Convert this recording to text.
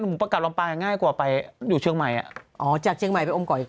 หมูประกาศลำปางง่ายกว่าไปอยู่เชียงใหม่อ่ะอ๋อจากเชียงใหม่ไปอมก่ออีก